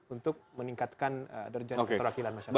untuk meningkatkan derjana keterwakilan masyarakat